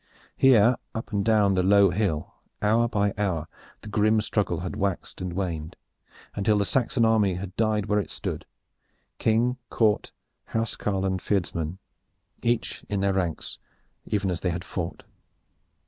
Here, up and down the low hill, hour by hour the grim struggle had waxed and waned, until the Saxon army had died where it stood, King, court, house carl and fyrdsman, each in their ranks even as they had fought.